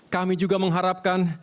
kami juga mengharapkan